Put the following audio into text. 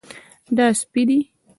دا سپی دی